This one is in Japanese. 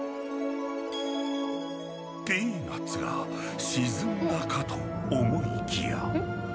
ピーナッツが沈んだかと思いきや。